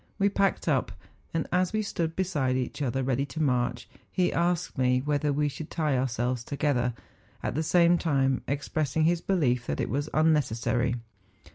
We packed up, and as we stood beside each other ready to march, he asked me whether we should tie ourselves together, at the same time expressing his belief that it was unnecessary.